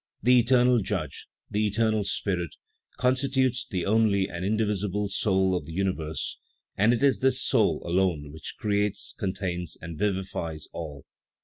"The eternal Judge, the eternal Spirit, constitutes the only and indivisible soul of the universe, and it is this soul alone which creates, contains and vivifies all.